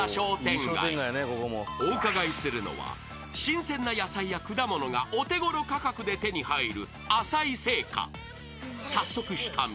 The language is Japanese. ［お伺いするのは新鮮な野菜や果物がお手ごろ価格で手に入る］